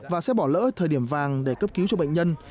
và sẽ bỏ lỡ thời điểm vàng để cấp cứu cho bệnh nhân